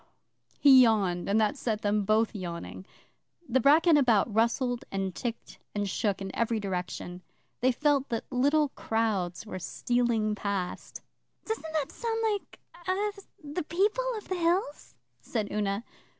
He yawned, and that set them both yawning. The bracken about rustled and ticked and shook in every direction. They felt that little crowds were stealing past. 'Doesn't that sound like er the People of the Hills?' said Una.